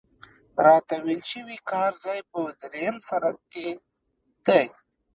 راته ویل شوي کار ځای په درېیم سړک کې دی.